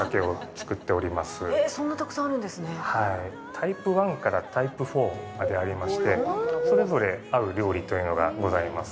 タイプ１からタイプ４までありまして、それぞれ合う料理というのがございます。